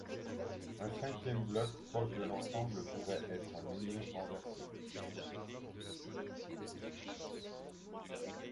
Un cinquième bloc proche de l'ensemble pourrait être un menhir renversé.